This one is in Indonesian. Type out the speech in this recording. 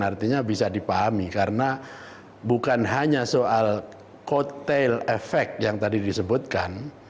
artinya bisa dipahami karena bukan hanya soal kotel efek yang tadi disebutkan